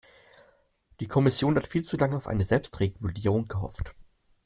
Die Kommission hat viel zu lange auf eine Selbstregulierung gehofft.